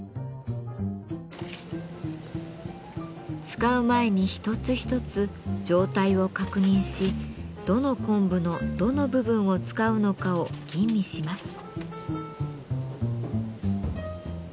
使う前に一つ一つ状態を確認しどの昆布のどの部分を使うのかを吟味します。